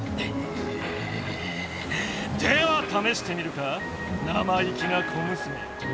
ではためしてみるか生意気な小娘よ。